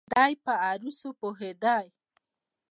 دای په عروضو پوهېده.